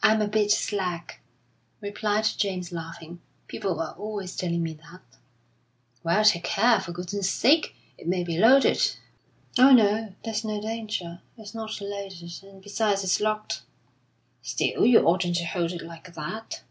"I am a bit slack," replied James, laughing. "People are always telling me that." "Well, take care, for goodness' sake! It may be loaded." "Oh, no, there's no danger. It's not loaded, and besides, it's locked." "Still, you oughtn't to hold it like that."